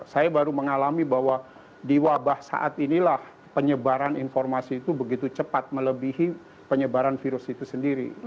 saya baru mengalami bahwa di wabah saat inilah penyebaran informasi itu begitu cepat melebihi penyebaran virus itu sendiri